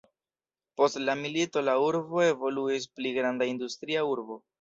Post la milito la urbo evoluis pli granda industria urbo.